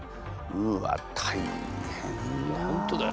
うわ大変だ。